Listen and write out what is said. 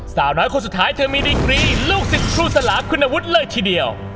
สาวน้อยคนสุดท้ายเธอมีดีกรีลูกศิษย์ครูสลาคุณวุฒิเลยทีเดียว